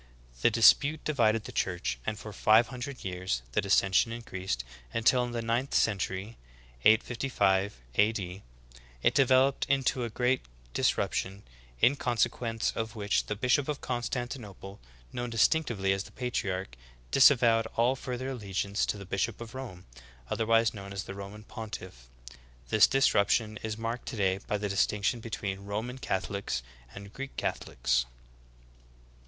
The dispute divided the Church, and for five hundred years the dissension increased, until in the ninth century (855 A. D.) it developed into a great disruption, in consequence of Vv^hich the bishop of Constan tinople, known distinctively as the patriarch, disavowed all further allegiance to the bishop of Rome, otherwise known as the Roman pontiflf. This disruption is marked today by the distinction between Roman Catholics and Greek Catho lics.